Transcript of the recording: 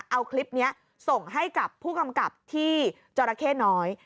เอาคลิปนี้ส่งให้กับผู้กำกับที่จราเข้น้อย